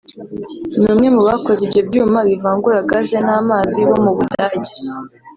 n’umwe mu bakoze ibyo byuma bivangura gaz n’amazi wo mu Budage